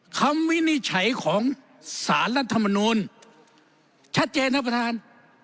วินิจฉัยของสารรัฐมนูลชัดเจนท่านประธาน